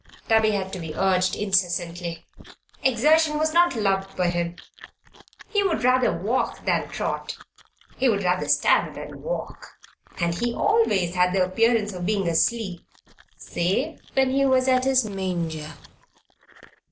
Tubby had to be urged incessantly; exertion was not loved by him. He would rather walk than trot; he would rather stand than walk; and he always had the appearance of being asleep save when he was at his manger.